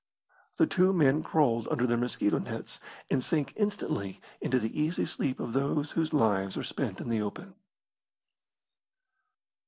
The two men crawled under their mosquito nets and sank instantly into the easy sleep of those whose lives are spent in the open.